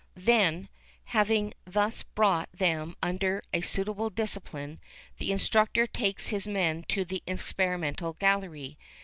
Then, having thus brought them under a suitable discipline, the instructor takes his men into the experimental gallery.